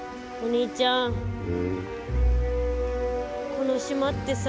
この島ってさ。